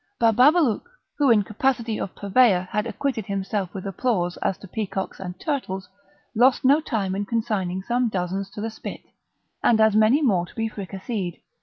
Bababalouk, who in capacity of purveyor had acquitted himself with applause as to peacocks and turtles, lost no time in consigning some dozens to the spit, and as many more to be fricasseed.